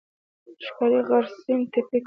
ښکاري غرڅنۍ ټپي کړې ده.